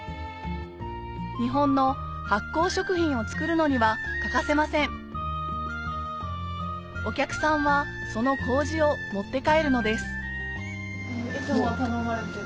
日本の発酵食品を作るのには欠かせませんお客さんはその麹を持って帰るのですいつも頼まれてる？